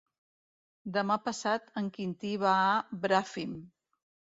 Demà passat en Quintí va a Bràfim.